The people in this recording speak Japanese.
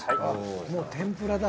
もう天ぷらだ。